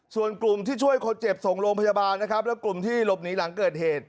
ส่วนกลุ่มที่ช่วยคนเจ็บส่งโรงพยาบาลนะครับแล้วกลุ่มที่หลบหนีหลังเกิดเหตุ